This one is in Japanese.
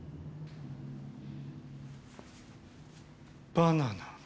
バナナ。